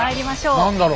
何だろう？